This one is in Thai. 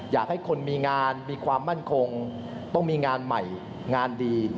อยากให้คนมีงานมีความมั่นคงต้องมีงานใหม่งานดี